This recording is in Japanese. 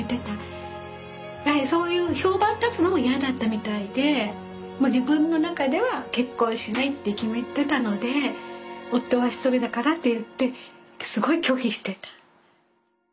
やはりそういう評判立つのも嫌だったみたいでもう自分の中では結婚しないって決めてたので夫は一人だからって言ってすごい拒否してた。